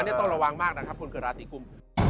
นี่ต้องระวังมากนะครับคนเกิดราศีกุม